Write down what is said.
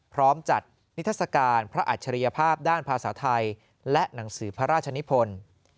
พร้อมจัดนิทัศกาลพระอัจฉริยภาพด้านภาษาไทยและหนังสือพระราชนิพล